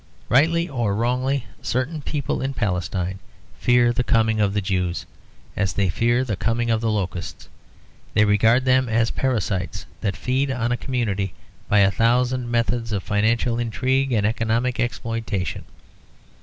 Rightly or wrongly, certain people in Palestine fear the coming of the Jews as they fear the coming of the locusts; they regard them as parasites that feed on a community by a thousand methods of financial intrigue and economic exploitation.